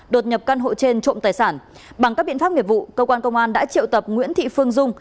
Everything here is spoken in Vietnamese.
đột nhập căn hộ trên trộm tài sản bằng các biện pháp nghiệp vụ cơ quan công an đã triệu tập nguyễn thị phương dung